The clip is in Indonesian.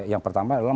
yang pertama adalah